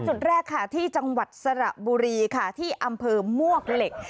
จุดแรกค่ะที่จังหวัดสระบุรีค่ะที่อำเภอมวกเหล็ก